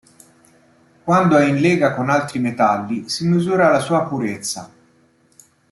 Quando è in lega con altri metalli, si misura la sua purezza.